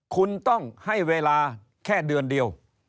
คุณต้องให้เวลาแค่เดือนเดียว